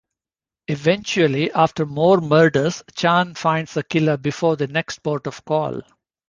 Eventually, after more murders, Chan finds the killer before the next port of call.